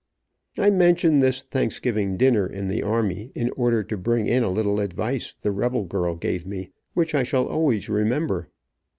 I mention this Thanksgiving dinner in the army, in order to bring in a little advice the rebel girl gave me, which I shall always remember.